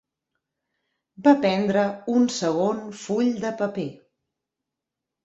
Va prendre un segon full de paper.